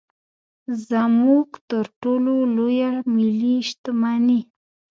زموږ تر ټولو لویه ملي شتمني.